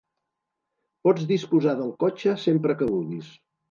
Pots disposar del cotxe sempre que vulguis.